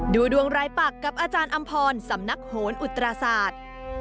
ดูดวงรายปักกับอาจารย์อำพรสำนักโหนอุตราศาสตร์